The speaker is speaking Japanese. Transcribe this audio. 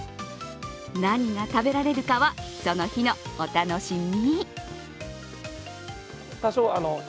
何が食べられるかは、その日のお楽しみ。